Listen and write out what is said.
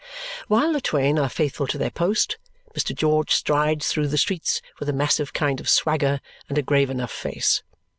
While the twain are faithful to their post, Mr. George strides through the streets with a massive kind of swagger and a grave enough face.